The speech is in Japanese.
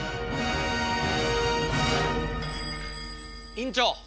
院長！